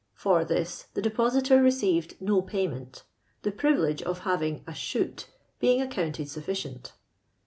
For this the depositor received no payment, tlie privilege of having " a shoot* being accounted sufficient.